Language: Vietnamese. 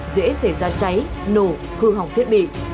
dễ xảy ra cháy nổ hư hỏng thiết bị